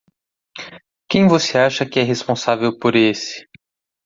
Quem você acha que é responsável por esse?